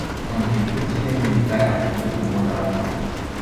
Contribuțiile militare au scăzut în mod alarmant.